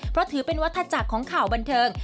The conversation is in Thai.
เพราะถือเป็นวัฒนาจักรของข่าวบันเทิง